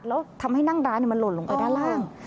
แล้วทำให้นั่งร้านมันหล่นลงไปด้านล่าง